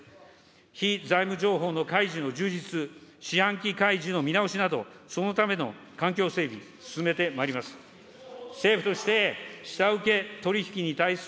非財務情報の開示の充実、四半期開示の見直しなど、そのための環境整備、進めてまいります。